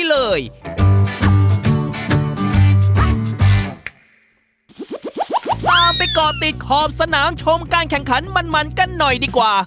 ตามก่อติดขอบสนามชมการแข่งขันมันกันหน่อยดีกว่า